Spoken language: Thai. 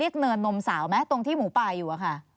เรียกเนินนมสาวไหมตรงที่หมูปายอยู่